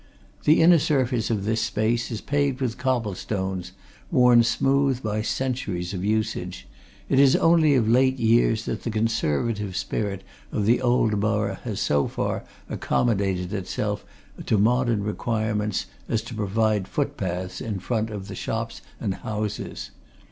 The inner surface of this space is paved with cobble stones, worn smooth by centuries of usage: it is only of late years that the conservative spirit of the old borough has so far accommodated itself to modern requirements as to provide foot paths in front of the shops and houses.